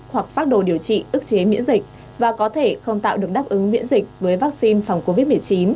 hoặc phác đồ điều trị ức chế miễn dịch và có thể không tạo được đáp ứng miễn dịch với vaccine phòng covid một mươi chín